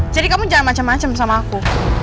jadi kamu jangan macem macem sama aku